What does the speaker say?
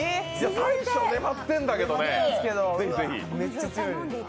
大昇、粘ってるんだけどね。